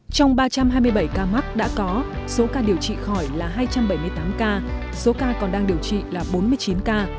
trong ba trăm hai mươi bảy ca mắc đã có số ca điều trị khỏi là hai trăm bảy mươi tám ca số ca còn đang điều trị là bốn mươi chín ca